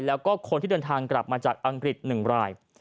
แล้วก็คนที่เดินทางกลับมาจากอังกฤษ๑ราย